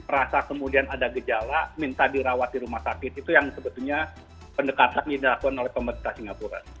rasa kemudian ada gejala minta dirawat di rumah sakit itu yang sebetulnya pendekatan yang dilakukan oleh pemerintah singapura